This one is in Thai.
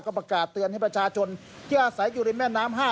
ก็ประกาศเตือนให้ประชาชนเที่ยสัยอยู่ในแม่น้ำ๕อำเภอ